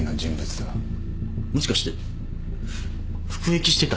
もしかして服役してた人？